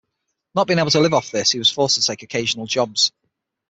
Not being able to live off this, he was forced to take occasional jobs.